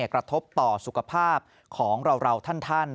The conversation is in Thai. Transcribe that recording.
กระทบต่อสุขภาพของเราท่าน